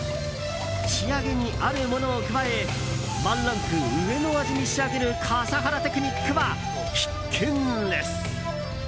仕上げにあるものを加えワンランク上の味に仕上げる笠原テクニックは必見です。